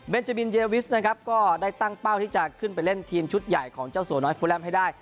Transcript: เป็นเจบินเยวิสนะครับก็ได้ตั้งเป้าที่จะขึ้นไปเล่นทีมชุดใหญ่ของเจ้าสัวน้อยฟูแลมให้ได้